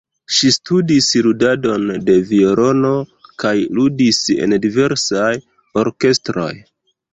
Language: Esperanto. Ŝi studis ludadon de violono kaj ludis en diversaj orkestroj.